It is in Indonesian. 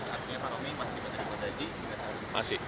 artinya pak romi masih menerima gaji